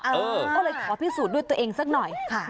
ก็เลยขอพิสูจน์ด้วยตัวเองสักหน่อย